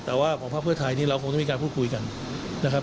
แต่ว่าของภาคเพื่อไทยนี่เราคงต้องมีการพูดคุยกันนะครับ